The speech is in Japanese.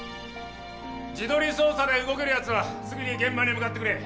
地取り捜査で動けるやつはすぐに現場に向かってくれ。